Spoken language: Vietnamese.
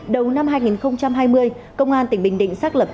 đầu năm hai nghìn hai mươi công an tỉnh bình định xác lập